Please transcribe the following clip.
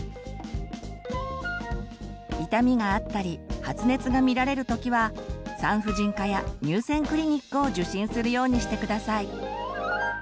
痛みがあったり発熱が見られる時は産婦人科や乳腺クリニックを受診するようにして下さい。